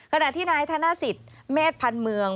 ขณะที่นายธนสิตเมฆพันเมือง